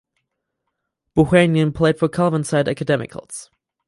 Buchanan played for Kelvinside Academicals.